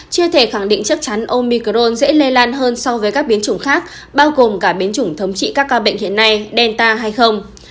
chưa thể khẳng định chắc chắn omicron dễ lây lan hơn so với các biến chủng khác bao gồm cả biến chủng thống trị các ca bệnh hiện nay delta hay không